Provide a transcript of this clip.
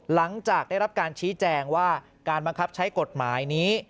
หลังจากได้รับการชี้แจงว่าการบังคับใช้กฎหมายนี้